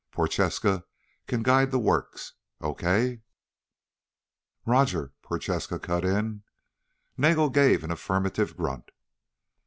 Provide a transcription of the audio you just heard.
Prochaska can guide the works. Okay?" "Roger," Prochaska cut in. Nagel gave an affirmative grunt.